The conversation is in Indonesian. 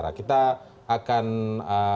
ada pernyataan yang dinilai selama setengah hari